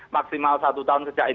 maksimal satu tahun sejak